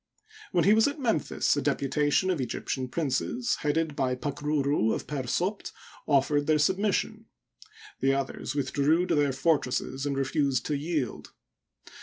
While he was at Memphis a deputation of Egyptian princes, headed by Pakruru of Per^Sopd, offered their submission. The others withdrew to their fortresses and refused to yield.